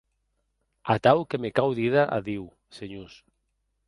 Atau que me cau díder adiu, senhors.